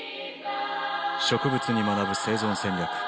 「植物に学ぶ生存戦略」。